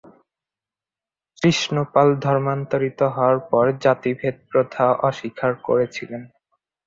কৃষ্ণ পাল ধর্মান্তরিত হওয়ার পর জাতিভেদ প্রথা অস্বীকার করেছিলেন।